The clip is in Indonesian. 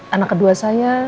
anak kedua saya